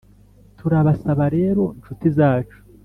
turabasaba rero nshuti zacu,